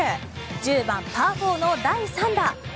１０番、パー４の第３打。